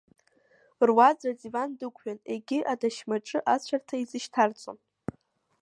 Руаӡә адиван дықәиан, егьи адашьмаҿы ацәарҭа изышьҭарҵон.